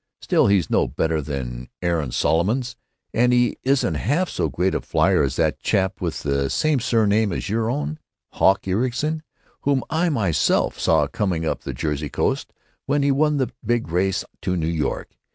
"Still, he's no better than Aaron Solomons, and he isn't half so great a flier as that chap with the same surname as your own, Hawk Ericson, whom I myself saw coming up the Jersey coast when he won that big race to New York....